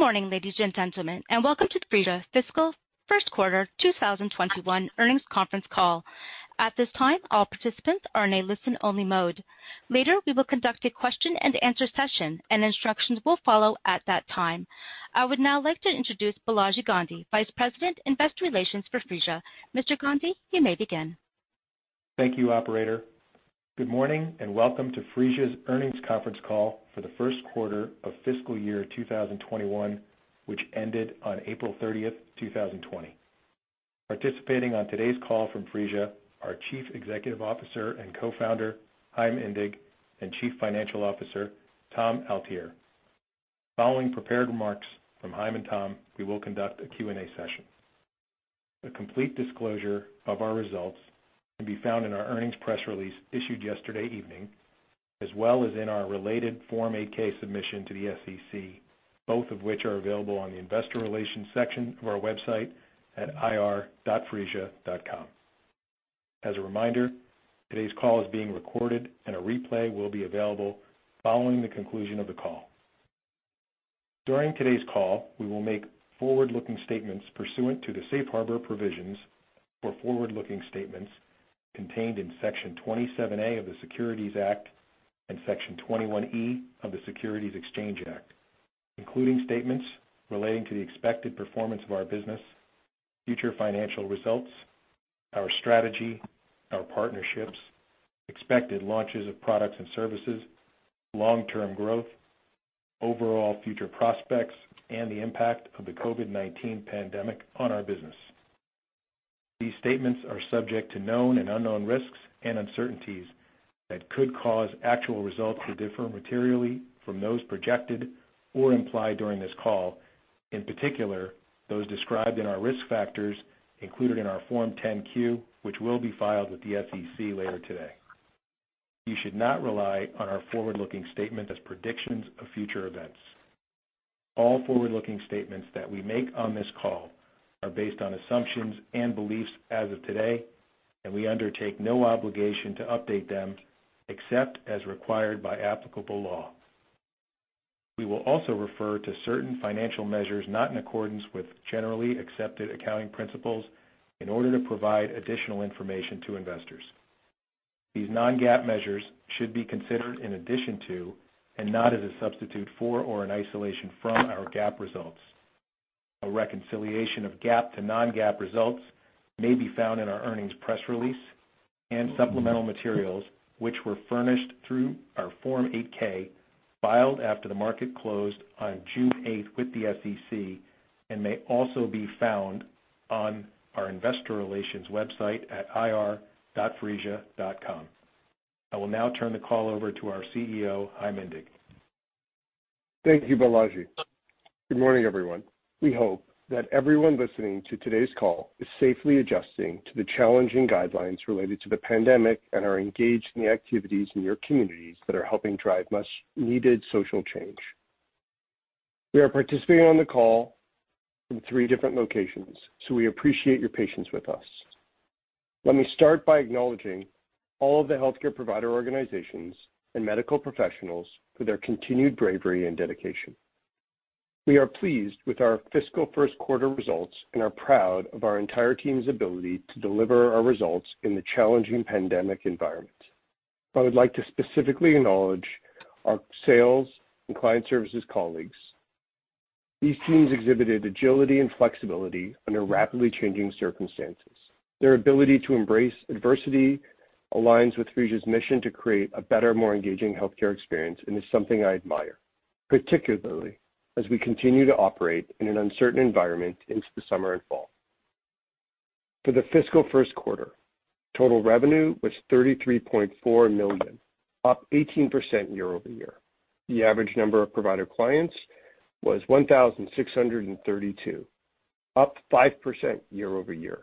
Good morning, ladies and gentlemen, and welcome to Phreesia Fiscal First Quarter 2021 Earnings Conference Call. At this time, all participants are in a listen-only mode. Later, we will conduct a question-and-answer session, and instructions will follow at that time. I would now like to introduce Balaji Gandhi, Vice President of Investor Relations for Phreesia. Mr. Gandhi, you may begin. Thank you, operator. Good morning, and welcome to Phreesia's earnings conference call for the first quarter of fiscal year 2021, which ended on April 30th, 2020. Participating on today's call from Phreesia, our Chief Executive Officer and Co-founder, Chaim Indig, and Chief Financial Officer, Tom Altier. Following prepared remarks from Chaim and Tom, we will conduct a Q&A session. A complete disclosure of our results can be found in our earnings press release issued yesterday evening, as well as in our related Form 8-K submission to the SEC, both of which are available on the investor relations section of our website at ir.phreesia.com. As a reminder, today's call is being recorded, and a replay will be available following the conclusion of the call. During today's call, we will make forward-looking statements pursuant to the Safe Harbor Provisions for forward-looking statements contained in Section 27A of the Securities Act and Section 21E of the Securities Exchange Act, including statements relating to the expected performance of our business, future financial results, our strategy, our partnerships, expected launches of products and services, long-term growth, overall future prospects, and the impact of the COVID-19 pandemic on our business. These statements are subject to known and unknown risks and uncertainties that could cause actual results to differ materially from those projected or implied during this call, in particular, those described in our risk factors included in our Form 10-Q, which will be filed with the SEC later today. You should not rely on our forward-looking statements as predictions of future events. All forward-looking statements that we make on this call are based on assumptions and beliefs as of today, and we undertake no obligation to update them except as required by applicable law. We will also refer to certain financial measures not in accordance with generally accepted accounting principles in order to provide additional information to investors. These non-GAAP measures should be considered in addition to and not as a substitute for or an isolation from our GAAP results. A reconciliation of GAAP to non-GAAP results may be found in our earnings press release and supplemental materials, which were furnished through our Form 8-K, filed after the market closed on June 8 with the SEC and may also be found on our investor relations website at ir.phreesia.com. I will now turn the call over to our CEO, Chaim Indig. Thank you, Balaji. Good morning, everyone. We hope that everyone listening to today's call is safely adjusting to the challenging guidelines related to the pandemic and are engaged in the activities in your communities that are helping drive much-needed social change. We are participating on the call in three different locations, so we appreciate your patience with us. Let me start by acknowledging all of the healthcare provider organizations and medical professionals for their continued bravery and dedication. We are pleased with our fiscal first quarter results and are proud of our entire team's ability to deliver our results in the challenging pandemic environment. I would like to specifically acknowledge our sales and client services colleagues. These teams exhibited agility and flexibility under rapidly changing circumstances. Their ability to embrace adversity aligns with Phreesia's mission to create a better, more engaging healthcare experience and is something I admire, particularly as we continue to operate in an uncertain environment into the summer and fall. For the fiscal first quarter, total revenue was $33.4 million, up 18% year-over-year. The average number of provider clients was 1,632, up 5% year-over-year.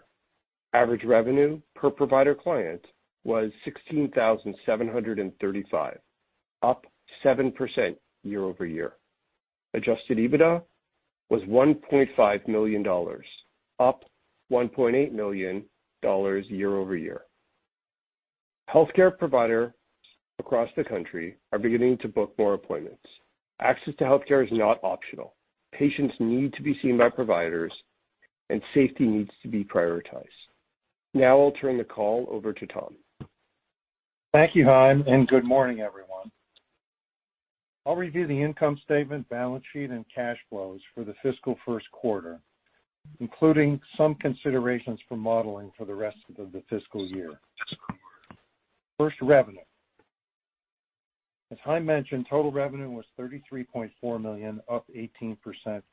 Average revenue per provider client was $16,735, up 7% year-over-year. Adjusted EBITDA was $1.5 million, up $1.8 million year-over-year. Healthcare providers across the country are beginning to book more appointments. Access to healthcare is not optional. Patients need to be seen by providers, and safety needs to be prioritized. Now I'll turn the call over to Tom. Thank you, Chaim, and good morning, everyone. I'll review the income statement, balance sheet, and cash flows for the fiscal first quarter, including some considerations for modeling for the rest of the fiscal year. First, revenue. As Chaim mentioned, total revenue was $33.4 million, up 18%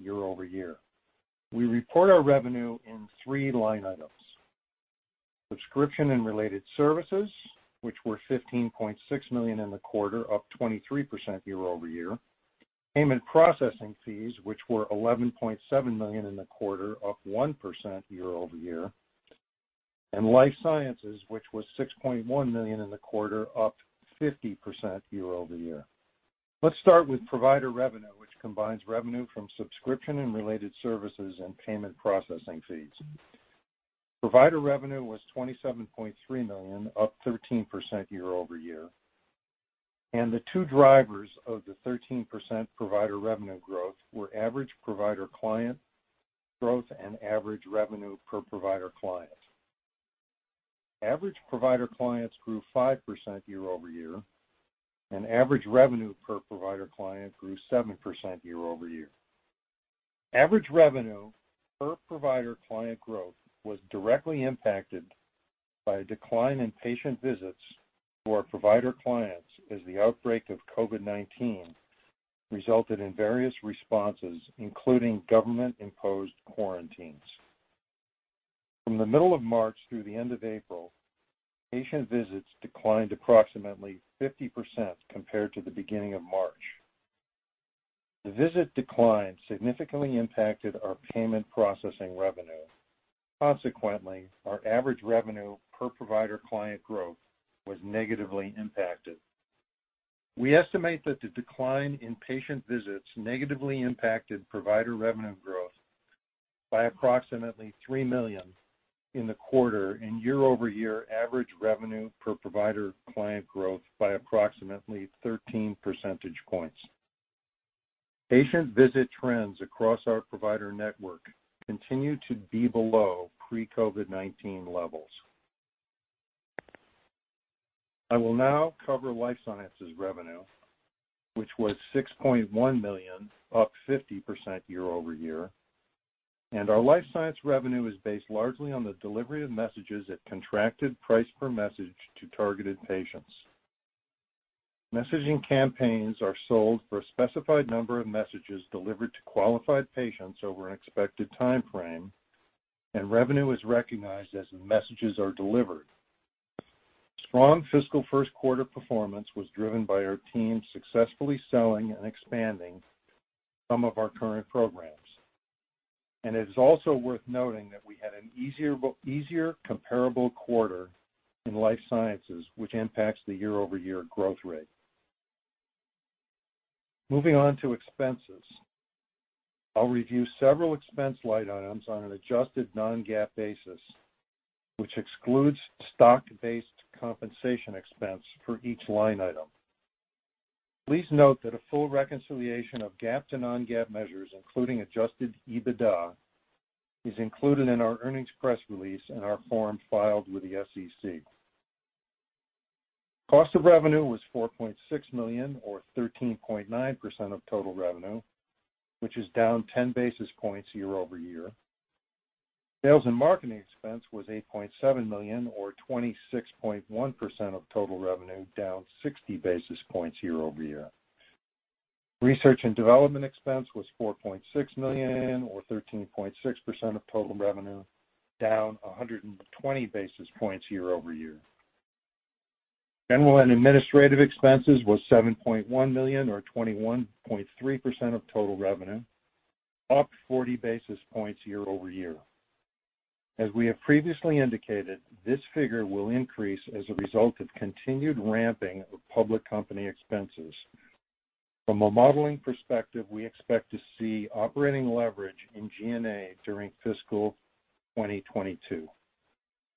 year-over-year. We report our revenue in three line items: subscription and related services, which were $15.6 million in the quarter, up 23% year-over-year. Payment processing fees, which were $11.7 million in the quarter, up 1% year-over-year. And life sciences, which was $6.1 million in the quarter, up 50% year-over-year. Let's start with provider revenue, which combines revenue from subscription and related services and payment processing fees. Provider revenue was $27.3 million, up 13% year-over-year. The two drivers of the 13% provider revenue growth were average provider client growth and average revenue per provider client. Average provider clients grew 5% year-over-year, and average revenue per provider client grew 7% year-over-year. Average revenue per provider client growth was directly impacted by a decline in patient visits to our provider clients, as the outbreak of COVID-19 resulted in various responses, including government-imposed quarantines. From the middle of March through the end of April, patient visits declined approximately 50% compared to the beginning of March. The visit decline significantly impacted our payment processing revenue. Consequently, our average revenue per provider client growth was negatively impacted. We estimate that the decline in patient visits negatively impacted provider revenue growth by approximately $3 million in the quarter, and year-over-year average revenue per provider client growth by approximately 13 percentage points. Patient visit trends across our provider network continue to be below pre-COVID-19 levels. I will now cover Life Sciences revenue, which was $6.1 million, up 50% year-over-year, and our Life Sciences revenue is based largely on the delivery of messages at contracted price per message to targeted patients. Messaging campaigns are sold for a specified number of messages delivered to qualified patients over an expected time frame, and revenue is recognized as the messages are delivered. Strong fiscal first quarter performance was driven by our team successfully selling and expanding some of our current programs. It is also worth noting that we had an easier comparable quarter in Life Sciences, which impacts the year-over-year growth rate. Moving on to expenses. I'll review several expense line items on an adjusted non-GAAP basis, which excludes stock-based compensation expense for each line item. Please note that a full reconciliation of GAAP to non-GAAP measures, including adjusted EBITDA, is included in our earnings press release and our forms filed with the SEC. Cost of revenue was $4.6 million, or 13.9% of total revenue, which is down 10 basis points year-over-year. Sales and marketing expense was $8.7 million, or 26.1% of total revenue, down 60 basis points year over year. Research and development expense was $4.6 million, or 13.6% of total revenue, down 120 basis points year-over-year. General and administrative expenses was $7.1 million, or 21.3% of total revenue, up 40 basis points year-over-year. As we have previously indicated, this figure will increase as a result of continued ramping of public company expenses. From a modeling perspective, we expect to see operating leverage in G&A during fiscal 2022.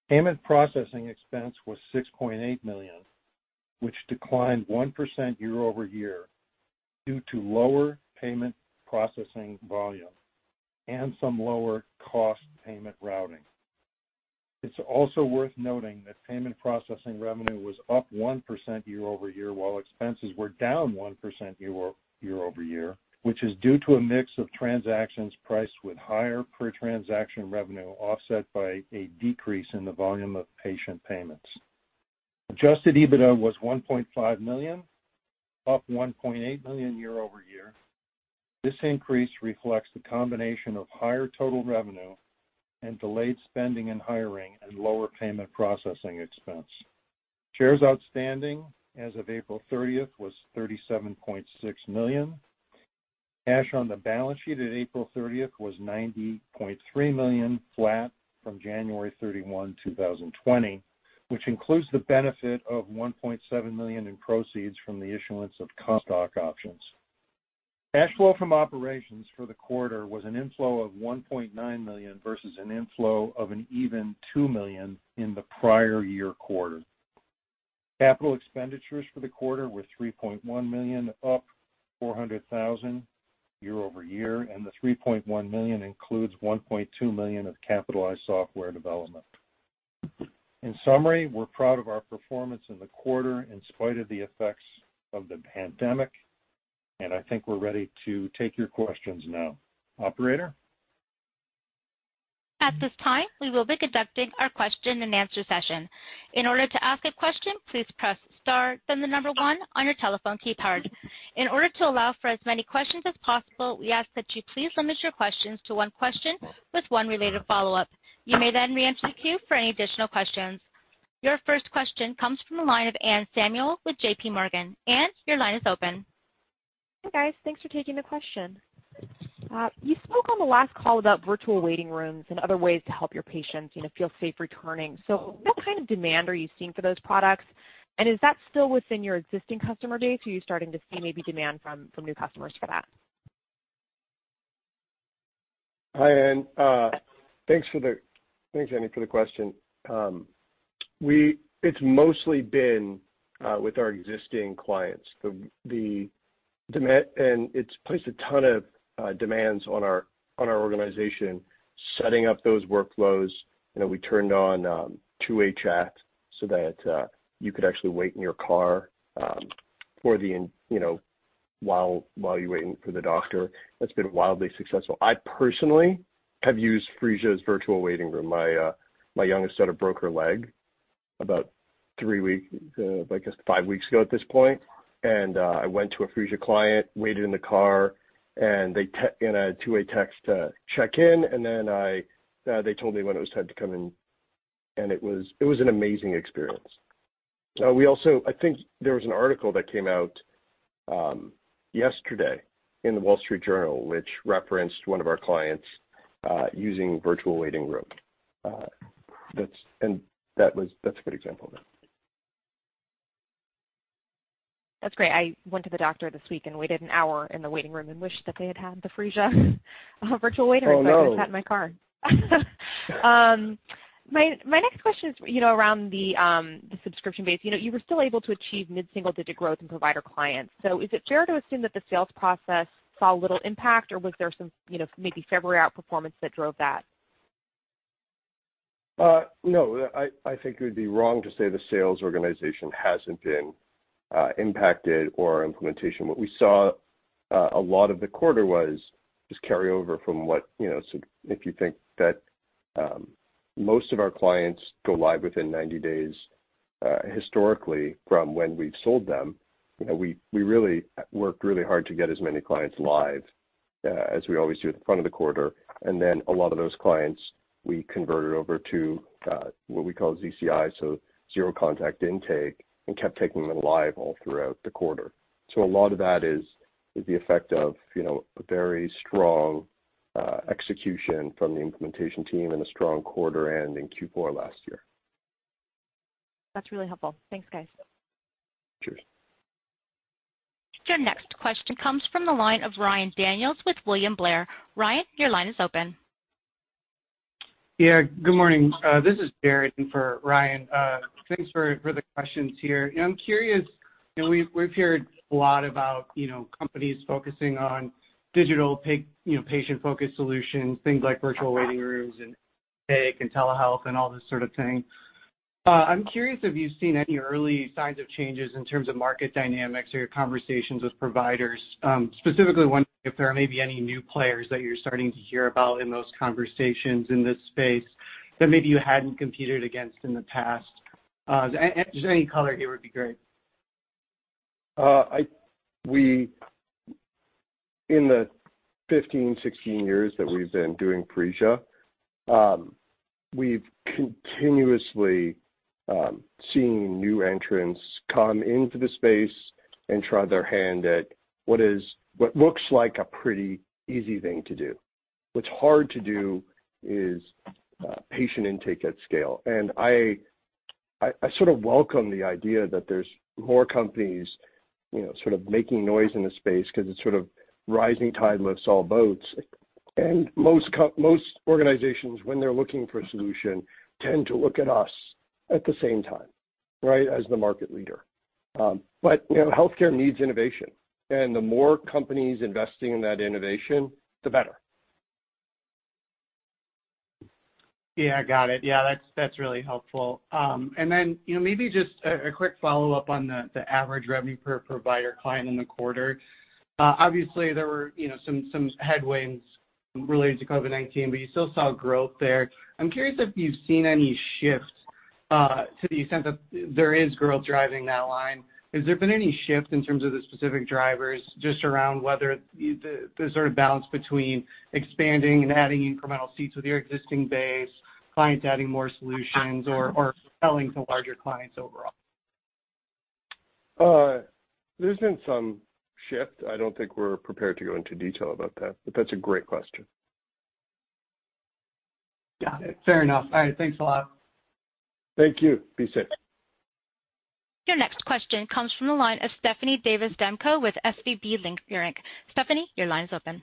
Payment processing expense was $6.8 million, which declined 1% year-over-year due to lower payment processing volume and some lower cost payment routing. It's also worth noting that payment processing revenue was up 1% year-over-year, while expenses were down 1% year-over-year, which is due to a mix of transactions priced with higher per transaction revenue, offset by a decrease in the volume of patient payments. Adjusted EBITDA was $1.5 million, up $1.8 million year-over-year. This increase reflects the combination of higher total revenue and delayed spending and hiring, and lower payment processing expense. Shares outstanding as of April 30th was $37.6 million. Cash on the balance sheet at April 30th was $90.3 million, flat from January 31, 2020, which includes the benefit of $1.7 million in proceeds from the issuance of common stock options. Cash flow from operations for the quarter was an inflow of $1.9 million versus an inflow of an even $2 million in the prior year quarter. Capital expenditures for the quarter were $3.1 million, up $400,000 year-over-year, and the $3.1 million includes $1.2 million of capitalized software development. In summary, we're proud of our performance in the quarter in spite of the effects of the pandemic, and I think we're ready to take your questions now. Operator? At this time, we will be conducting our question-and-answer session. In order to ask a question, please press star, then the number one on your telephone keypad. In order to allow for as many questions as possible, we ask that you please limit your questions to one question with one related follow-up. You may then reenter the queue for any additional questions. Your first question comes from the line of Anne Samuel with JPMorgan. Anne, your line is open. Hi, guys. Thanks for taking the question. You spoke on the last call about virtual waiting rooms and other ways to help your patients, you know, feel safe returning. So what kind of demand are you seeing for those products? And is that still within your existing customer base, or are you starting to see maybe demand from, from new customers for that? Hi, Anne. Thanks, Annie, for the question. It's mostly been with our existing clients. And it's placed a ton of demands on our organization, setting up those workflows. You know, we turned on two-way chat so that you could actually wait in your car, you know, while you're waiting for the doctor. That's been wildly successful. I personally have used Phreesia's Virtual Waiting Room. My youngest daughter broke her leg about three weeks, I guess five weeks ago at this point. And I went to a Phreesia client, waited in the car, and they texted in a two-way text to check in, and then they told me when it was time to come in, and it was an amazing experience. We also—I think there was an article that came out yesterday in The Wall Street Journal, which referenced one of our clients using Virtual Waiting Room. That's—and that was, that's a good example of that. That's great. I went to the doctor this week and waited an hour in the waiting room and wished that they had had the Phreesia Virtual Waiting Room. Oh, no. So I could have sat in my car. My next question is, you know, around the subscription base. You know, you were still able to achieve mid-single-digit growth in provider clients. So is it fair to assume that the sales process saw little impact, or was there some, you know, maybe February outperformance that drove that? No, I, I think it would be wrong to say the sales organization hasn't been impacted or our implementation. What we saw, a lot of the quarter was, just carry over from what, you know, so if you think that, most of our clients go live within 90 days, historically from when we've sold them, you know, we, we really worked really hard to get as many clients live, as we always do at the front of the quarter. And then a lot of those clients, we converted over to, what we call ZCI, so Zero Contact Intake, and kept taking them live all throughout the quarter. So a lot of that is the effect of, you know, very strong execution from the implementation team and a strong quarter end in Q4 last year. That's really helpful. Thanks, guys. Cheers. Your next question comes from the line of Ryan Daniels with William Blair. Ryan, your line is open. Yeah, good morning. This is Darren for Ryan. Thanks for the questions here. You know, I'm curious, you know, we've heard a lot about, you know, companies focusing on digital patient-focused solutions, things like virtual waiting rooms and intake and telehealth and all this sort of thing. I'm curious if you've seen any early signs of changes in terms of market dynamics or your conversations with providers, specifically wondering if there are maybe any new players that you're starting to hear about in those conversations in this space that maybe you hadn't competed against in the past? And just any color here would be great. We In the 15, 16 years that we've been doing Phreesia, we've continuously seen new entrants come into the space and try their hand at what looks like a pretty easy thing to do. What's hard to do is patient intake at scale, and I sort of welcome the idea that there's more companies, you know, sort of making noise in the space because it's sort of rising tide lifts all boats. And most organizations, when they're looking for a solution, tend to look at us at the same time, right? As the market leader. But, you know, healthcare needs innovation, and the more companies investing in that innovation, the better. Yeah, got it. Yeah, that's, that's really helpful. And then, you know, maybe just a quick follow-up on the average revenue per provider client in the quarter. Obviously, there were, you know, some headwinds related to COVID-19, but you still saw growth there. I'm curious if you've seen any shifts to the extent that there is growth driving that line. Has there been any shifts in terms of the specific drivers just around whether the sort of balance between expanding and adding incremental seats with your existing base, clients adding more solutions or selling to larger clients overall? There's been some shift. I don't think we're prepared to go into detail about that, but that's a great question. Got it. Fair enough. All right, thanks a lot. Thank you. Be safe. Your next question comes from the line of Stephanie Davis-Demko with SVB Leerink. Stephanie, your line's open.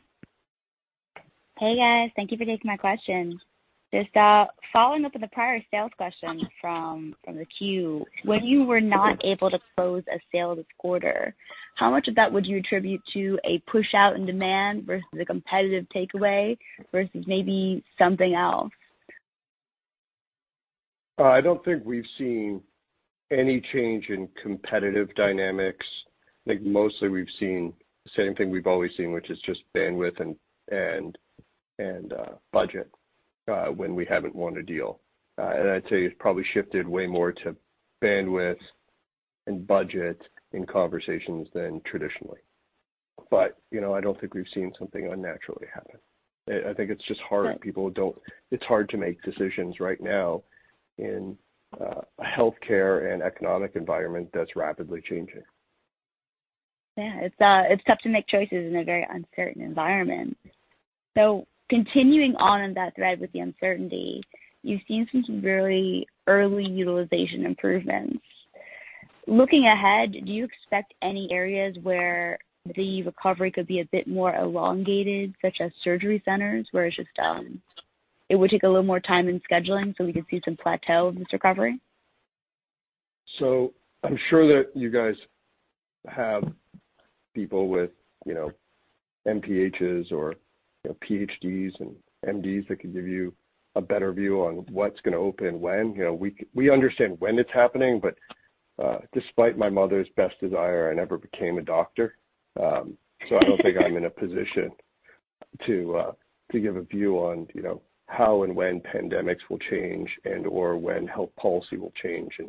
Hey, guys. Thank you for taking my question. Just, following up with the prior sales question from the queue. When you were not able to close a sale this quarter, how much of that would you attribute to a push-out in demand versus a competitive takeaway versus maybe something else? I don't think we've seen any change in competitive dynamics. I think mostly we've seen the same thing we've always seen, which is just bandwidth and budget when we haven't won a deal. And I'd say it's probably shifted way more to bandwidth and budget in conversations than traditionally. But, you know, I don't think we've seen something unnaturally happen. I think it's just hard. Right. It's hard to make decisions right now in a healthcare and economic environment that's rapidly changing. Yeah, it's tough to make choices in a very uncertain environment. So continuing on that thread with the uncertainty, you've seen some really early utilization improvements. Looking ahead, do you expect any areas where the recovery could be a bit more elongated, such as surgery centers, where it's just it would take a little more time in scheduling, so we could see some plateau in this recovery? So I'm sure that you guys have people with, you know, MPHs or, you know, PhDs and MDs that can give you a better view on what's gonna open when. You know, we understand when it's happening, but despite my mother's best desire, I never became a doctor. So I don't think I'm in a position to give a view on, you know, how and when pandemics will change and/or when health policy will change in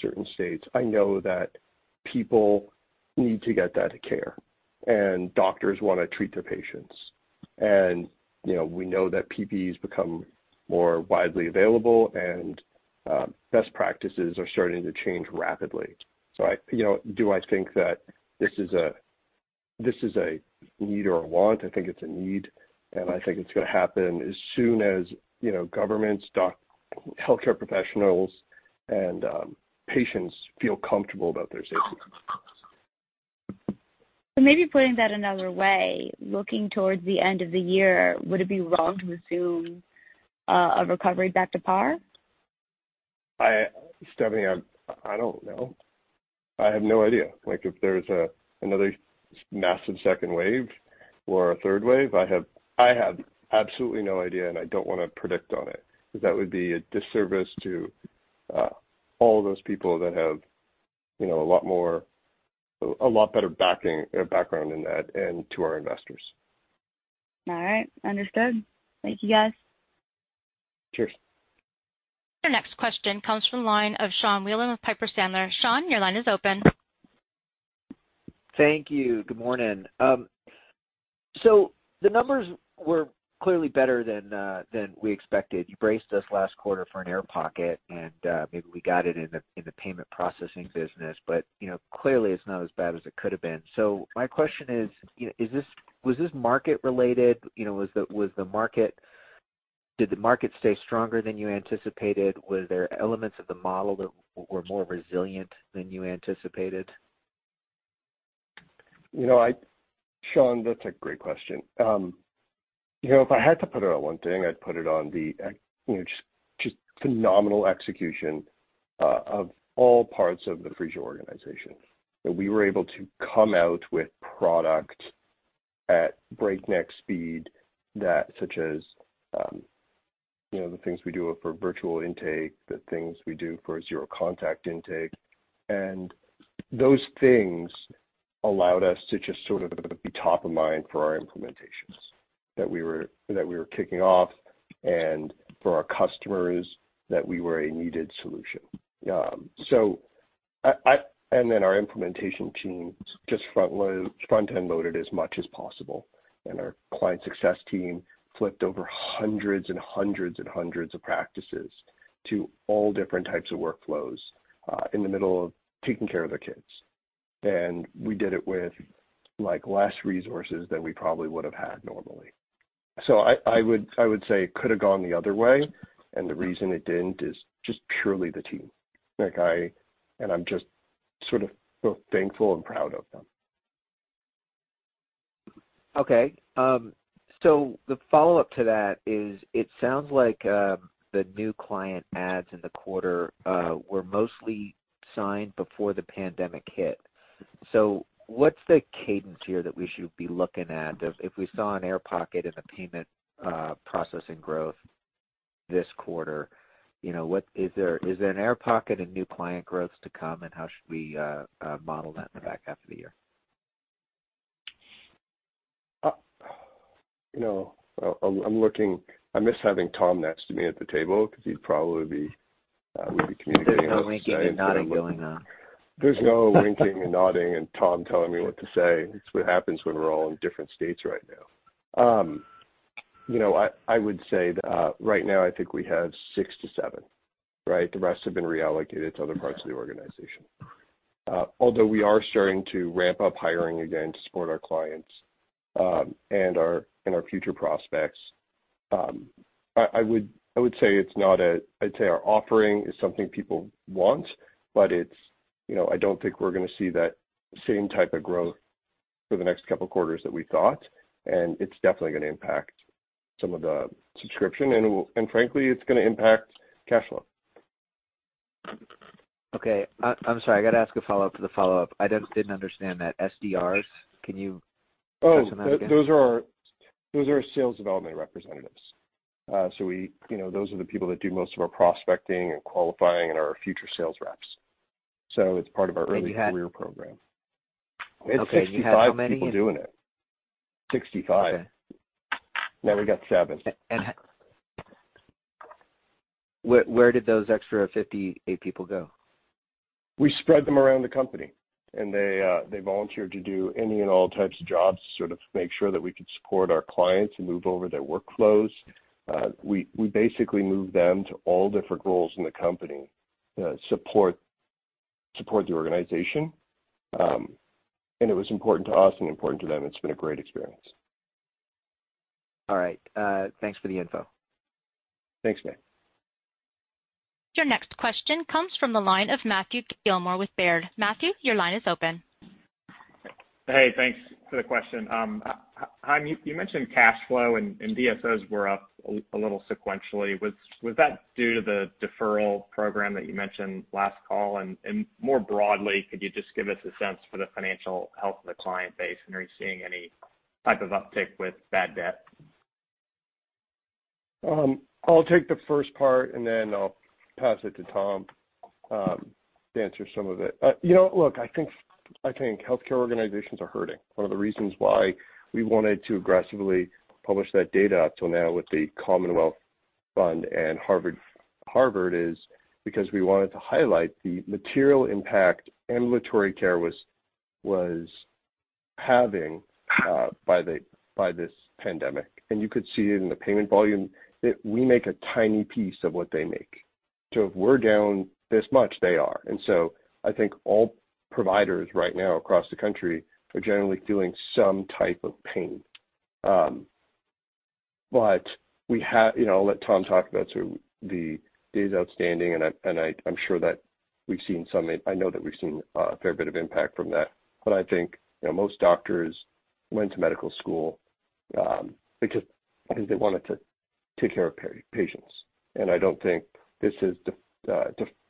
certain states. I know that people need to get that care, and doctors wanna treat their patients. And you know, we know that PPEs become more widely available, and best practices are starting to change rapidly. So you know, do I think that this is a, this is a need or a want? I think it's a need, and I think it's gonna happen as soon as, you know, governments, healthcare professionals, and patients feel comfortable about their safety. So maybe putting that another way, looking towards the end of the year, would it be wrong to assume a recovery back to par? Stephanie, I don't know. I have no idea. Like, if there's another massive second wave or a third wave, I have absolutely no idea, and I don't wanna predict on it, because that would be a disservice to all those people that have, you know, a lot more, a lot better background in that and to our investors. All right, understood. Thank you, guys. Cheers. Your next question comes from the line of Sean Wieland with Piper Sandler. Sean, your line is open. Thank you. Good morning. So the numbers were clearly better than than we expected. You braced us last quarter for an air pocket, and maybe we got it in the payment processing business, but you know, clearly it's not as bad as it could have been. So my question is, you know, is this was this market related? You know, was the market. Did the market stay stronger than you anticipated? Were there elements of the model that were more resilient than you anticipated? You know, Sean, that's a great question. You know, if I had to put it on one thing, I'd put it on the, you know, just phenomenal execution of all parts of the Phreesia organization, that we were able to come out with product at breakneck speed, such as, you know, the things we do for virtual intake, the things we do for Zero Contact Intake. And those things allowed us to just sort of be top of mind for our implementations that we were kicking off and for our customers, that we were a needed solution. So I. And then our implementation team just frontloaded as much as possible, and our client success team flipped over hundreds and hundreds and hundreds of practices to all different types of workflows in the middle of taking care of their kids. And we did it with, like, less resources than we probably would have had normally. So I would say it could have gone the other way, and the reason it didn't is just purely the team. Like, and I'm just sort of both thankful and proud of them. Okay, so the follow-up to that is, it sounds like, the new client adds in the quarter were mostly signed before the pandemic hit. So what's the cadence here that we should be looking at? If, if we saw an air pocket in the payment processing growth this quarter, you know, is there, is there an air pocket in new client growth to come, and how should we model that in the back half of the year? You know, I'm looking. I miss having Tom next to me at the table, because he'd probably be, we'd be communicating. There's no winking and nodding going on. There's no winking and nodding and Tom telling me what to say. It's what happens when we're all in different states right now. You know, I would say that right now I think we have 6-7, right? The rest have been reallocated to other parts of the organization. Although we are starting to ramp up hiring again to support our clients, and our future prospects, I would say it's not, I'd say our offering is something people want, but it's, you know, I don't think we're gonna see that same type of growth for the next couple quarters that we thought, and it's definitely gonna impact some of the subscription, and frankly, it's gonna impact cash flow. Okay. I'm sorry, I gotta ask a follow-up to the follow-up. I didn't understand that. SDRs, can you mention that again? Oh, those are our, those are our sales development representatives. So we, you know, those are the people that do most of our prospecting and qualifying and our future sales reps. So it's part of our early career program. Okay, you have how many? We had 65 people doing it. 65. Okay. Now we got seven. Where did those extra 58 people go? We spread them around the company, and they volunteered to do any and all types of jobs, sort of make sure that we could support our clients and move over their workflows. We basically moved them to all different roles in the company, support the organization. And it was important to us and important to them. It's been a great experience. All right, thanks for the info. Thanks, Matt. Your next question comes from the line of Matthew Gilmor with Baird. Matthew, your line is open. Hey, thanks for the question. Chaim, you mentioned cash flow and DSOs were up a little sequentially. Was that due to the deferral program that you mentioned last call? And more broadly, could you just give us a sense for the financial health of the client base, and are you seeing any type of uptick with bad debt? I'll take the first part, and then I'll pass it to Tom to answer some of it. You know, look, I think, I think healthcare organizations are hurting. One of the reasons why we wanted to aggressively publish that data up till now with the Commonwealth Fund and Harvard, Harvard, is because we wanted to highlight the material impact ambulatory care was, was having by this pandemic. And you could see it in the payment volume, that we make a tiny piece of what they make. So if we're down this much, they are. And so I think all providers right now across the country are generally feeling some type of pain. But we have. You know, I'll let Tom talk about sort of the days outstanding, and I know that we've seen a fair bit of impact from that. But I think, you know, most doctors went to medical school because they wanted to take care of patients, and I don't think this has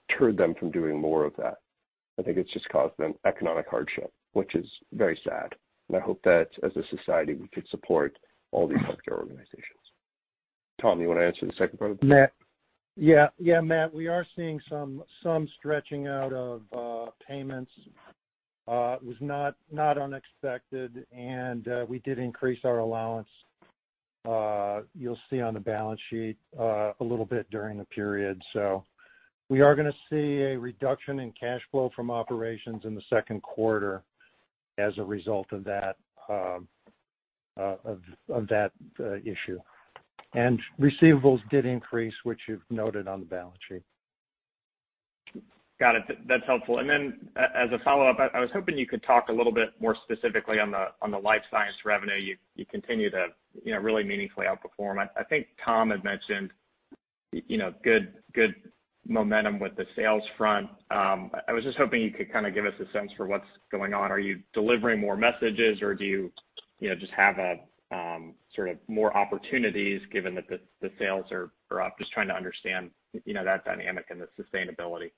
deterred them from doing more of that. I think it's just caused them economic hardship, which is very sad, and I hope that as a society, we could support all these healthcare organizations. Tom, you want to answer the second part? Matt. Yeah, yeah, Matt, we are seeing some stretching out of payments. It was not unexpected, and we did increase our allowance, you'll see on the balance sheet, a little bit during the period. So we are gonna see a reduction in cash flow from operations in the second quarter as a result of that issue. And receivables did increase, which you've noted on the balance sheet. Got it. That's helpful. And then as a follow-up, I was hoping you could talk a little bit more specifically on the Life Sciences revenue. You continue to, you know, really meaningfully outperform. I think Tom had mentioned, you know, good momentum with the sales front. I was just hoping you could kind of give us a sense for what's going on. Are you delivering more messages, or do you, you know, just have sort of more opportunities given that the sales are up? Just trying to understand, you know, that dynamic and the sustainability.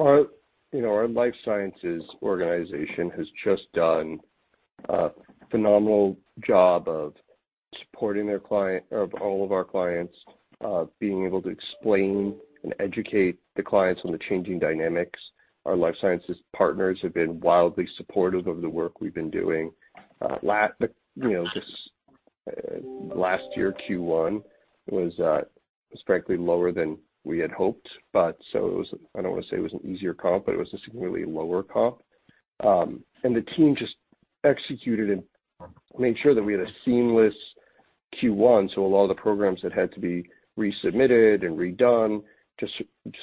Our, you know, our Life Sciences organization has just done a phenomenal job of supporting their client, of all of our clients, being able to explain and educate the clients on the changing dynamics. Our Life Sciences partners have been wildly supportive of the work we've been doing. You know, just last year, Q1, was frankly lower than we had hoped, but so it was. I don't want to say it was an easier comp, but it was a significantly lower comp. And the team just executed and made sure that we had a seamless Q1, so a lot of the programs that had to be resubmitted and redone just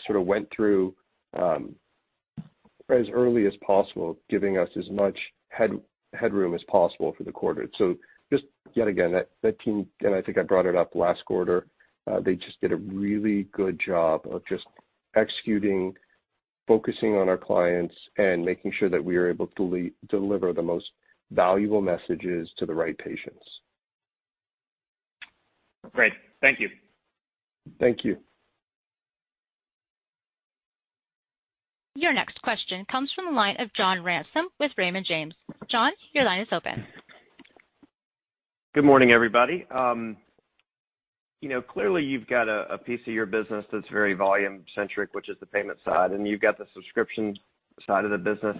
sort of went through, as early as possible, giving us as much headroom as possible for the quarter. So just yet again, that team, and I think I brought it up last quarter, they just did a really good job of just executing, focusing on our clients, and making sure that we are able to deliver the most valuable messages to the right patients. Great. Thank you. Thank you. Your next question comes from the line of John Ransom with Raymond James. John, your line is open. Good morning, everybody. You know, clearly, you've got a piece of your business that's very volume-centric, which is the payment side, and you've got the subscription side of the business,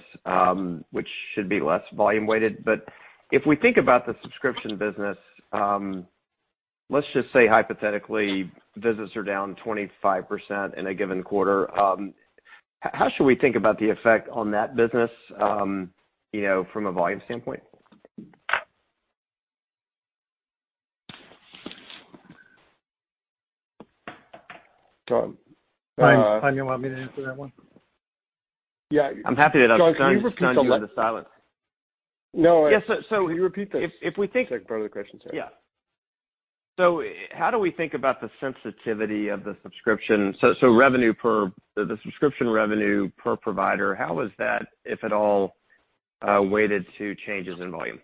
which should be less volume-weighted. But if we think about the subscription business, let's just say hypothetically, visits are down 25% in a given quarter, how should we think about the effect on that business, you know, from a volume standpoint? John, uh- Chaim, you want me to answer that one? Yeah. I'm happy to just- John, can you repeat the- Chaim, you're out of silent. No. Yeah, so, Can you repeat that? If we think- Second part of the question, sorry. Yeah. So how do we think about the sensitivity of the subscription? So, so revenue per. The, the subscription revenue per provider, how is that, if at all, weighted to changes in volume?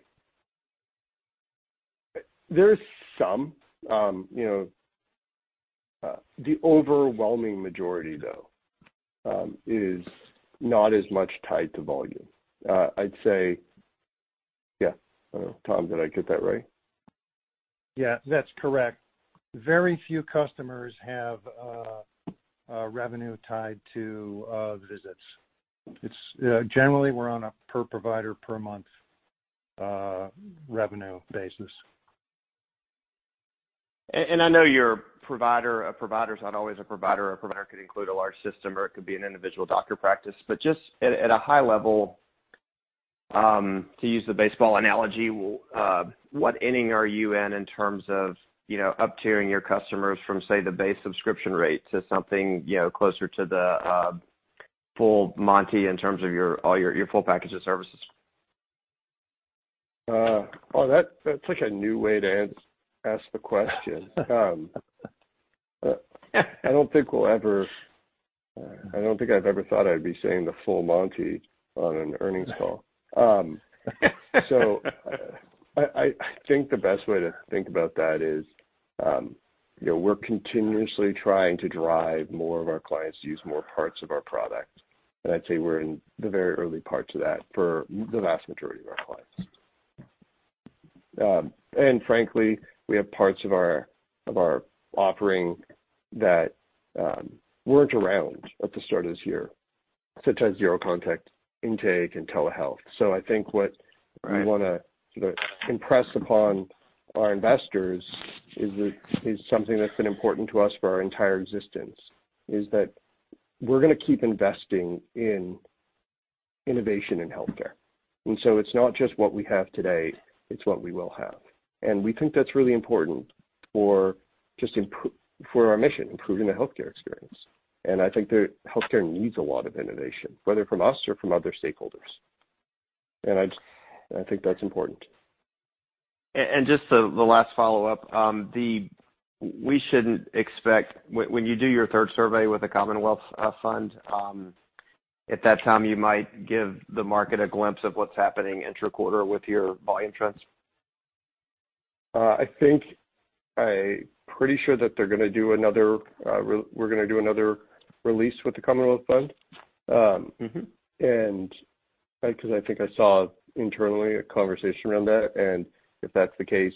There's some, you know, the overwhelming majority, though, is not as much tied to volume. I'd say, yeah. Tom, did I get that right? Yeah, that's correct. Very few customers have a revenue tied to visits. It's generally we're on a per provider, per month revenue basis. I know your provider, a provider is not always a provider. A provider could include a large system, or it could be an individual doctor practice. But just at a high level, to use the baseball analogy, what inning are you in, in terms of, you know, up-tiering your customers from, say, the base subscription rate to something, you know, closer to the full monty in terms of your, all your, your full package of services? Oh, that's such a new way to ask the question. I don't think we'll ever—I don't think I've ever thought I'd be saying the full monty on an earnings call. So I think the best way to think about that is, you know, we're continuously trying to drive more of our clients to use more parts of our product. And I'd say we're in the very early parts of that for the vast majority of our clients. And frankly, we have parts of our offering that weren't around at the start of this year, such as Zero Contact Intake and Telehealth. So I think what. Right. We wanna sort of impress upon our investors is that, is something that's been important to us for our entire existence, is that we're gonna keep investing in innovation in healthcare. And so it's not just what we have today, it's what we will have. And we think that's really important for our mission, improving the healthcare experience. And I think the healthcare needs a lot of innovation, whether from us or from other stakeholders. And I just, I think that's important. Just the last follow-up, we shouldn't expect when you do your third survey with the Commonwealth Fund, at that time, you might give the market a glimpse of what's happening interquarter with your volume trends? I think I'm pretty sure that they're gonna do another, we're gonna do another release with the Commonwealth Fund. Mm-hmm. Because I think I saw internally a conversation around that, and if that's the case,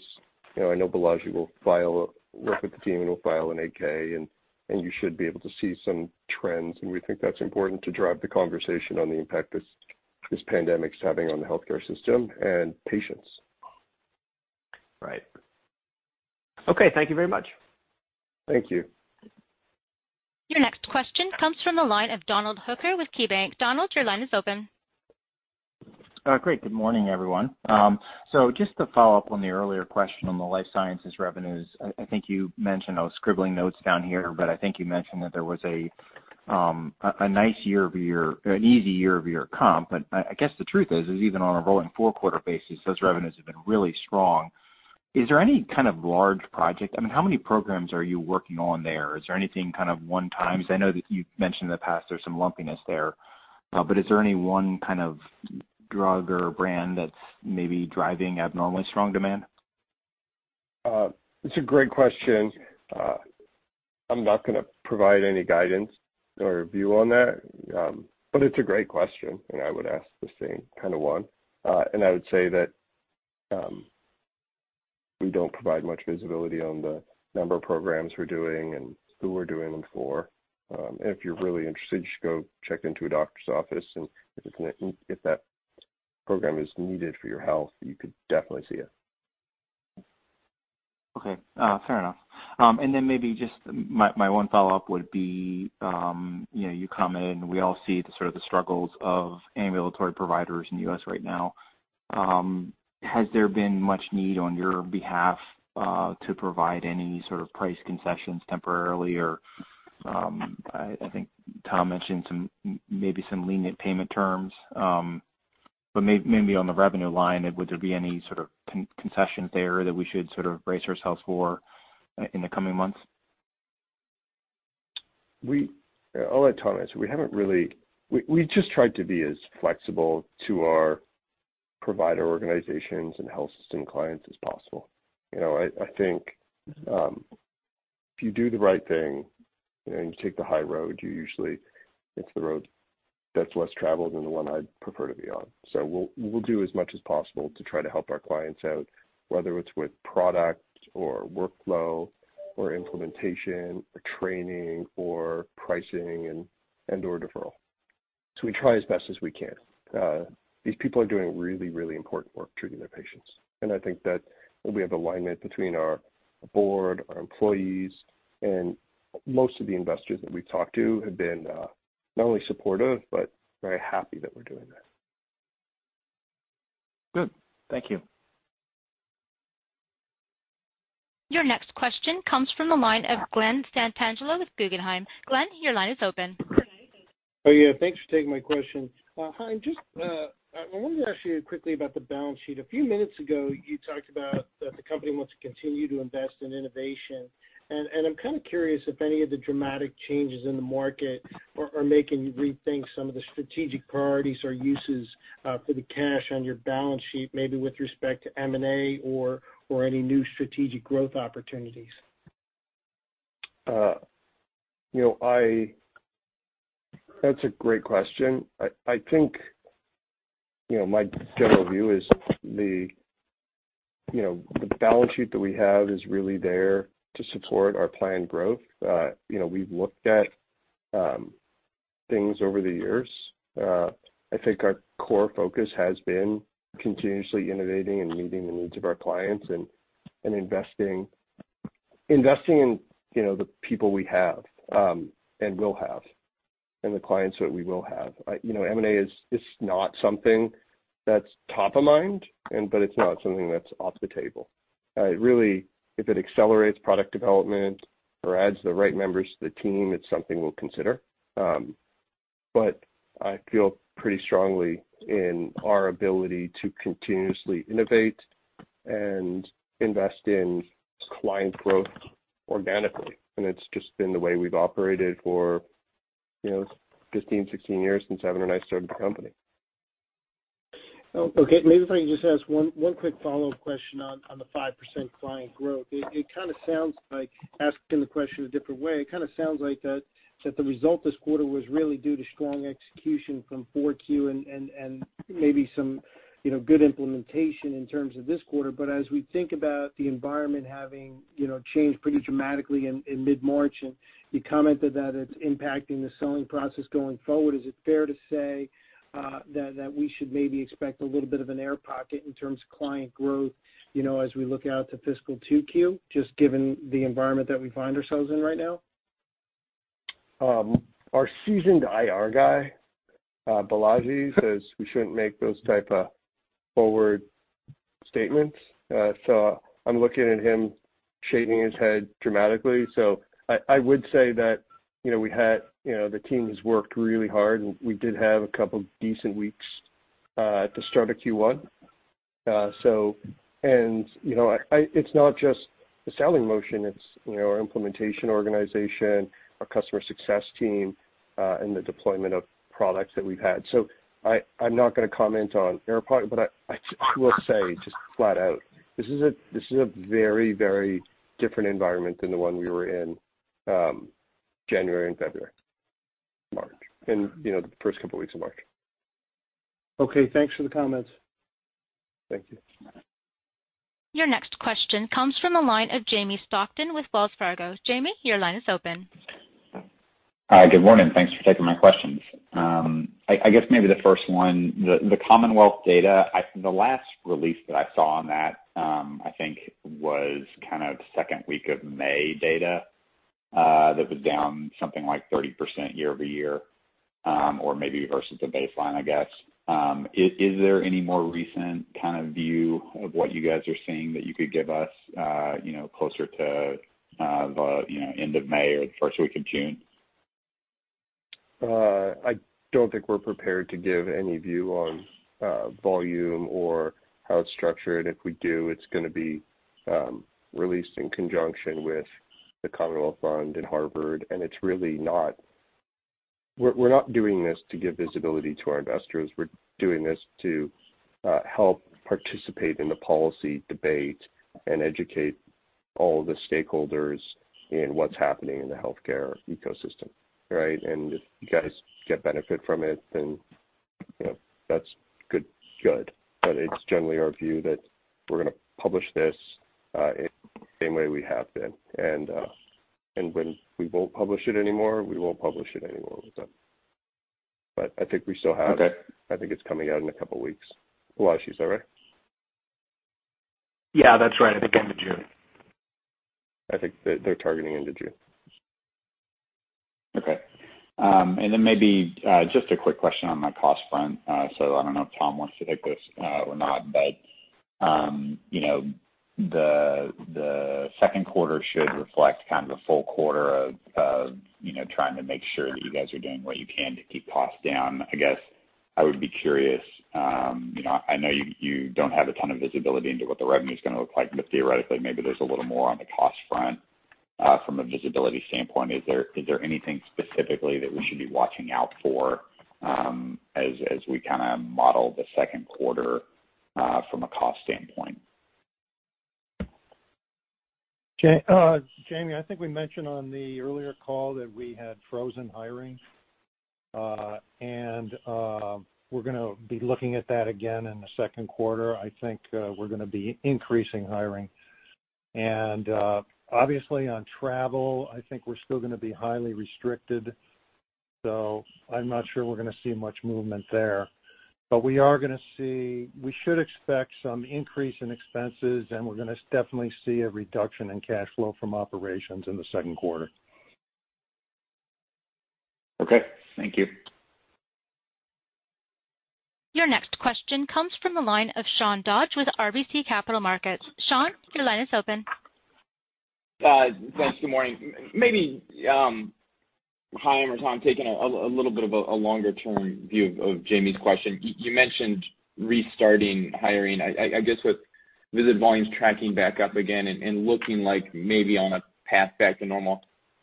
you know, I know Balaji will file, work with the team, and we'll file an 8-K, and you should be able to see some trends. And we think that's important to drive the conversation on the impact this pandemic is having on the healthcare system and patients. Right. Okay, thank you very much. Thank you. Your next question comes from the line of Donald Hooker with KeyBanc. Donald, your line is open. Great. Good morning, everyone. So just to follow up on the earlier question on the Life Sciences revenues, I think you mentioned, I was scribbling notes down here, but I think you mentioned that there was a nice year-over-year, an easy year-over-year comp. But I guess the truth is even on a rolling four-quarter basis, those revenues have been really strong. Is there any kind of large project? I mean, how many programs are you working on there? Is there anything kind of one times? I know that you've mentioned in the past there's some lumpiness there, but is there any one kind of drug or brand that's maybe driving abnormally strong demand? It's a great question. I'm not gonna provide any guidance or view on that, but it's a great question, and I would ask the same kind of one. I would say that we don't provide much visibility on the number of programs we're doing and who we're doing them for. If you're really interested, you should go check into a doctor's office, and if that program is needed for your health, you could definitely see it. Okay, fair enough. And then maybe just my one follow-up would be, you know, you come in, we all see the sort of the struggles of ambulatory providers in the U.S. right now. Has there been much need on your behalf to provide any sort of price concessions temporarily? Or, I think Tom mentioned some, maybe some lenient payment terms, but maybe on the revenue line, would there be any sort of concessions there that we should sort of brace ourselves for in the coming months? I'll let Tom answer. We haven't really. We just tried to be as flexible to our provider organizations and health system clients as possible. You know, I think if you do the right thing and you take the high road, you usually it's the road that's less traveled and the one I'd prefer to be on. So we'll do as much as possible to try to help our clients out, whether it's with product or workflow or implementation or training or pricing and/or deferral. So we try as best as we can. These people are doing really, really important work treating their patients, and I think that we have alignment between our board, our employees, and most of the investors that we've talked to have been not only supportive, but very happy that we're doing this. Good. Thank you. Your next question comes from the line of Glenn Santangelo with Guggenheim. Glenn, your line is open. Oh, yeah, thanks for taking my question. Hi, just, I wanted to ask you quickly about the balance sheet. A few minutes ago, you talked about that the company wants to continue to invest in innovation, and I'm kind of curious if any of the dramatic changes in the market are making you rethink some of the strategic priorities or uses for the cash on your balance sheet, maybe with respect to M&A or any new strategic growth opportunities? You know, that's a great question. I think, you know, my general view is the, you know, the balance sheet that we have is really there to support our planned growth. You know, we've looked at things over the years. I think our core focus has been continuously innovating and meeting the needs of our clients and investing in, you know, the people we have and will have, and the clients that we will have. You know, M&A is not something that's top of mind, but it's not something that's off the table. It really, if it accelerates product development or adds the right members to the team, it's something we'll consider. But I feel pretty strongly in our ability to continuously innovate and invest in client growth organically, and it's just been the way we've operated for, you know, 15, 16 years since Evan and I started the company. Oh, okay. Maybe if I could just ask one quick follow-up question on the 5% client growth. It kind of sounds like, asking the question a different way, it kind of sounds like that the result this quarter was really due to strong execution from 4Q and maybe some, you know, good implementation in terms of this quarter. But as we think about the environment having, you know, changed pretty dramatically in mid-March, and you commented that it's impacting the selling process going forward, is it fair to say that we should maybe expect a little bit of an air pocket in terms of client growth, you know, as we look out to fiscal 2Q, just given the environment that we find ourselves in right now? Our seasoned IR guy, Balaji, says we shouldn't make those type of forward statements. So I'm looking at him shaking his head dramatically. So I would say that, you know, we had—you know, the team has worked really hard, and we did have a couple decent weeks at the start of Q1. So and, you know, I—it's not just the selling motion, it's, you know, our implementation organization, our customer success team, and the deployment of products that we've had. So I, I'm not gonna comment on air pocket, but I will say, just flat out, this is a, this is a very, very different environment than the one we were in, January and February, March, and, you know, the first couple weeks of March. Okay, thanks for the comments. Thank you. Your next question comes from the line of Jamie Stockton with Wells Fargo. Jamie, your line is open. Hi, good morning. Thanks for taking my questions. I guess maybe the first one, the Commonwealth data, the last release that I saw on that, I think was kind of second week of May data, that was down something like 30% year-over-year, or maybe versus the baseline, I guess. Is there any more recent kind of view of what you guys are seeing that you could give us, you know, closer to, you know, end of May or the first week of June? I don't think we're prepared to give any view on volume or how it's structured. If we do, it's gonna be released in conjunction with the Commonwealth Fund and Harvard, and it's really not. We're not doing this to give visibility to our investors. We're doing this to help participate in the policy debate and educate all the stakeholders in what's happening in the healthcare ecosystem, right? And if you guys get benefit from it, then, you know, that's good, good. But it's generally our view that we're gonna publish this in the same way we have been. And when we won't publish it anymore, we won't publish it anymore. But I think we still have it. Okay. I think it's coming out in a couple of weeks. Balaji, is that right? Yeah, that's right. I think end of June. I think they're targeting end of June. Okay. And then maybe just a quick question on the cost front. So I don't know if Tom wants to take this, or not, but, you know, the, the second quarter should reflect kind of a full quarter of, of, you know, trying to make sure that you guys are doing what you can to keep costs down. I guess I would be curious, you know, I know you, you don't have a ton of visibility into what the revenue is gonna look like, but theoretically, maybe there's a little more on the cost front. From a visibility standpoint, is there, is there anything specifically that we should be watching out for, as, as we kind of model the second quarter, from a cost standpoint? Jamie, I think we mentioned on the earlier call that we had frozen hiring, and we're gonna be looking at that again in the second quarter. I think we're gonna be increasing hiring. And, obviously, on travel, I think we're still gonna be highly restricted, so I'm not sure we're gonna see much movement there. But we are gonna see, we should expect some increase in expenses, and we're gonna definitely see a reduction in cash flow from operations in the second quarter. Okay, thank you. Your next question comes from the line of Sean Dodge with RBC Capital Markets. Sean, your line is open. Thanks. Good morning. Maybe, Chaim or Tom, taking a little bit of a longer-term view of Jamie's question. You mentioned restarting hiring. I guess with visit volumes tracking back up again and looking like maybe on a path back to normal,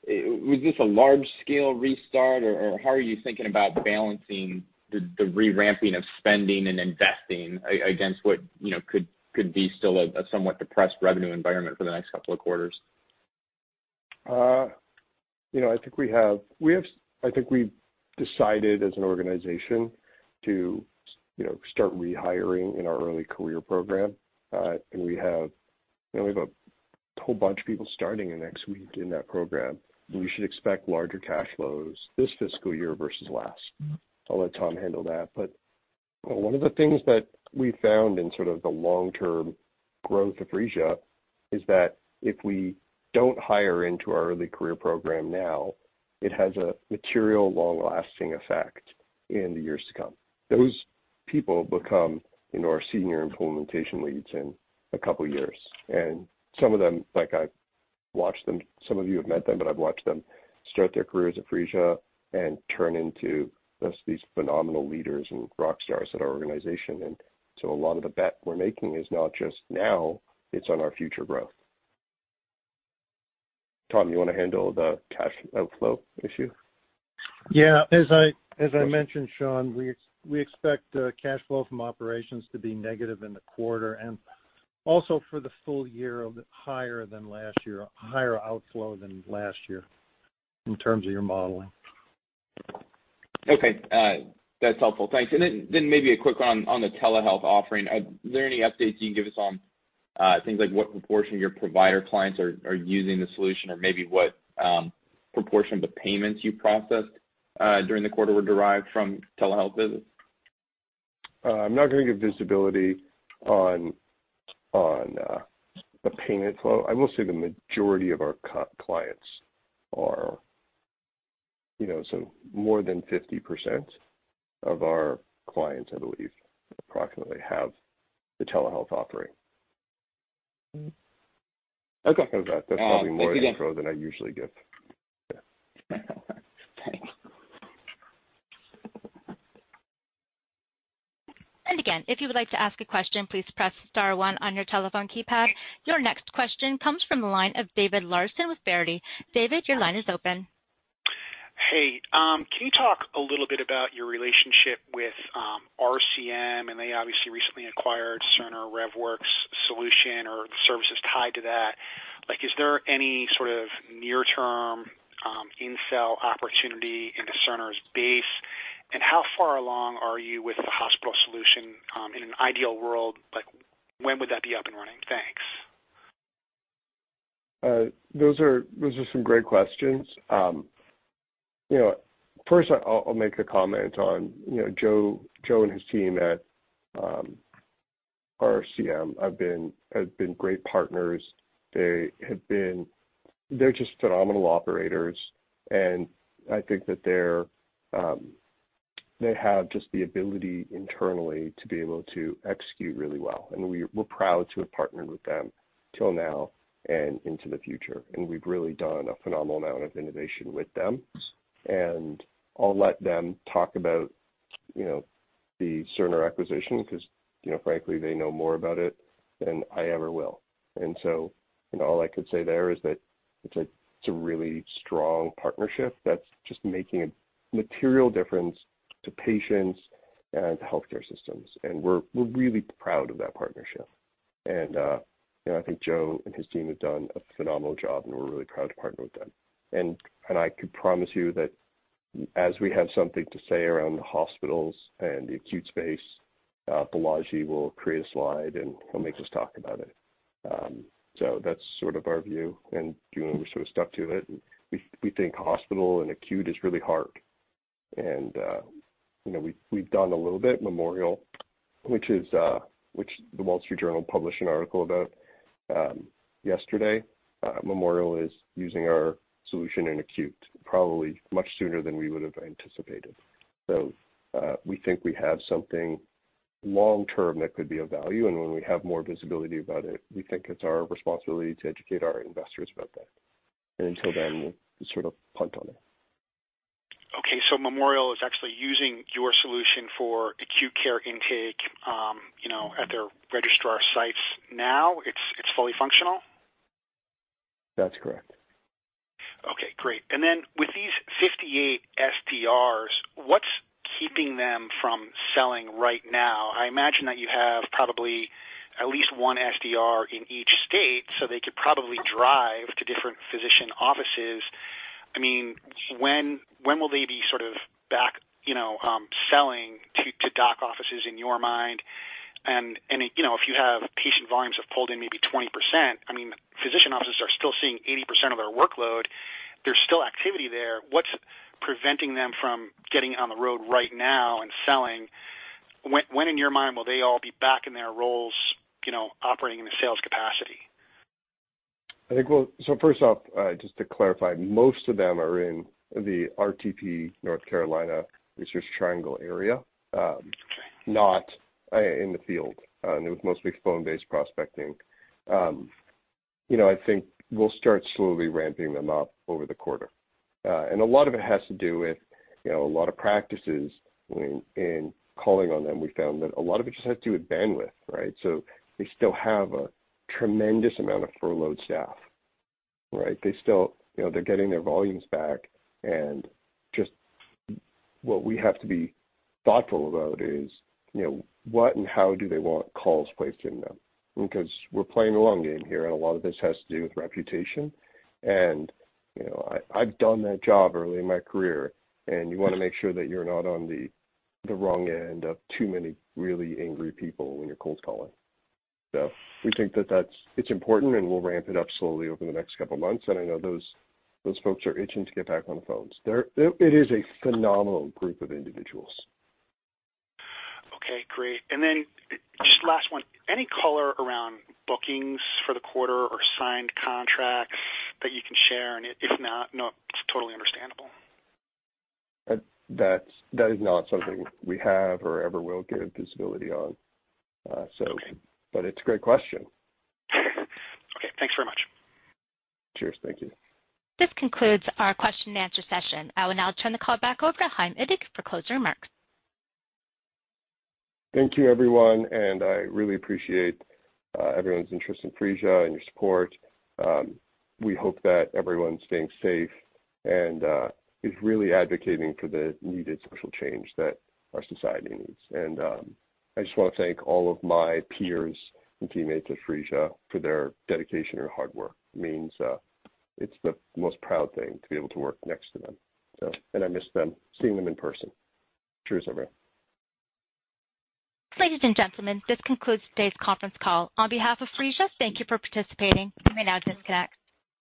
was this a large-scale restart, or how are you thinking about balancing the re-ramping of spending and investing against what, you know, could be still a somewhat depressed revenue environment for the next couple of quarters? You know, I think we've decided as an organization to, you know, start rehiring in our early career program. And we have, you know, a whole bunch of people starting in next week in that program. We should expect larger cash flows this fiscal year versus last. Mm-hmm. I'll let Tom handle that. But one of the things that we found in sort of the long-term growth of Phreesia is that if we don't hire into our early career program now, it has a material, long-lasting effect in the years to come. Those people become, you know, our senior implementation leads in a couple of years, and some of them, like, I've watched them, some of you have met them, but I've watched them start their careers at Phreesia and turn into just these phenomenal leaders and rock stars at our organization. And so a lot of the bet we're making is not just now, it's on our future growth. Tom, you wanna handle the cash outflow issue? Yeah, as I mentioned, Sean, we expect cash flow from operations to be negative in the quarter and also for the full year, a bit higher than last year, a higher outflow than last year in terms of your modeling. Okay, that's helpful. Thanks. And then, then maybe a quick one on, on the telehealth offering. Are there any updates you can give us on, things like what proportion of your provider clients are, are using the solution, or maybe what, proportion of the payments you processed, during the quarter were derived from telehealth visits? I'm not gonna give visibility on the payment flow. I will say the majority of our clients are, you know, so more than 50% of our clients, I believe, approximately, have the telehealth offering. Okay. That's probably more info than I usually give. Thanks. Again, if you would like to ask a question, please press star one on your telephone keypad. Your next question comes from the line of David Larsen with Verity. David, your line is open. Hey, can you talk a little bit about your relationship with RCM? And they obviously recently acquired Cerner RevWorks solution or the services tied to that. Like, is there any sort of near-term in-sell opportunity into Cerner's base? And how far along are you with the hospital solution, in an ideal world, like, when would that be up and running? Thanks. Those are, those are some great questions. You know, first, I'll, I'll make a comment on, you know, Joe, Joe and his team at, RCM have been, have been great partners. They have been... They're just phenomenal operators, and I think that they're, they have just the ability internally to be able to execute really well, and we're proud to have partnered with them till now and into the future. And we've really done a phenomenal amount of innovation with them. And I'll let them talk about, you know, the Cerner acquisition, because, you know, frankly, they know more about it than I ever will. And so, you know, all I could say there is that it's a, it's a really strong partnership that's just making a material difference to patients and to healthcare systems, and we're, we're really proud of that partnership. You know, I think Joe and his team have done a phenomenal job, and we're really proud to partner with them. And I can promise you that as we have something to say around the hospitals and the acute space, Balaji will create a slide, and he'll make us talk about it. So that's sort of our view, and, you know, we're sort of stuck to it. We think hospital and acute is really hard. And, you know, we've done a little bit Memorial, which The Wall Street Journal published an article about yesterday. Memorial is using our solution in acute, probably much sooner than we would have anticipated. So, we think we have something long term that could be of value, and when we have more visibility about it, we think it's our responsibility to educate our investors about that. And until then, we'll sort of punt on it. Okay, so Memorial is actually using your solution for acute care intake, you know, at their registrar sites now? It's fully functional? That's correct. Okay, great. And then with these 58 SDRs, what's keeping them from selling right now? I imagine that you have probably at least one SDR in each state, so they could probably drive to different physician offices. I mean, when, when will they be sort of back, you know, selling to, to doc offices in your mind? And, and, you know, if you have patient volumes have pulled in maybe 20%, I mean, physician offices are still seeing 80% of their workload. There's still activity there. What's preventing them from getting on the road right now and selling? When, when in your mind will they all be back in their roles, you know, operating in a sales capacity? I think we'll. So first off, just to clarify, most of them are in the RTP, North Carolina, Research Triangle area, not in the field, and it was mostly phone-based prospecting. You know, I think we'll start slowly ramping them up over the quarter. And a lot of it has to do with, you know, a lot of practices in calling on them. We found that a lot of it just has to do with bandwidth, right? So they still have a tremendous amount of furloughed staff, right? They still. You know, they're getting their volumes back, and just what we have to be thoughtful about is, you know, what and how do they want calls placed in them? Because we're playing a long game here, and a lot of this has to do with reputation. You know, I've done that job early in my career, and you want to make sure that you're not on the wrong end of too many really angry people when you're cold calling. So we think that it's important, and we'll ramp it up slowly over the next couple of months, and I know those folks are itching to get back on the phones. It is a phenomenal group of individuals. Okay, great. And then, just last one, any color around bookings for the quarter or signed contracts that you can share? And if not, no, it's totally understandable. That is not something we have or ever will give visibility on, so. Okay. But it's a great question. Okay, thanks very much. Cheers. Thank you. This concludes our question and answer session. I will now turn the call back over to Chaim Indig for closing remarks. Thank you, everyone, and I really appreciate everyone's interest in Phreesia and your support. We hope that everyone's staying safe and is really advocating for the needed social change that our society needs. I just want to thank all of my peers and teammates at Phreesia for their dedication and hard work. It means, it's the most proud thing to be able to work next to them, so, and I miss them, seeing them in person. Cheers, everyone. Ladies and gentlemen, this concludes today's conference call. On behalf of Phreesia, thank you for participating. You may now disconnect.